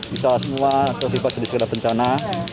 bisa semua terlibat di sekedar bencana